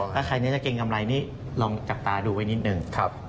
ถ้าใครจะเก็งกำไรลองจับตาดูไว้นิดหนึ่ง